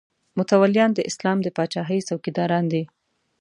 متولیان د اسلام د پاچاهۍ څوکیداران دي.